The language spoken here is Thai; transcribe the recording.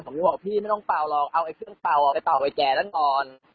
ผมบอกพี่ไม่ต้องเป่าหรอกเอาไอ้เครื่องเป่าไปเป่าไปแก่นั้นก่อน